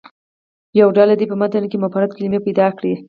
یوه ډله دې په متن کې مفرد کلمې پیدا کړي.